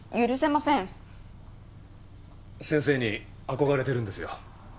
先生に憧れてるんですよ。